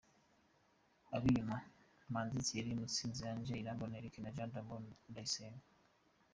Ab’inyuma: Manzi Thierry, Mutsinzi Ange, Irambona Eric na Jean D’Amour Ndayisenga.